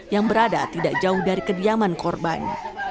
yang berada tidak jauh dari kediaman korban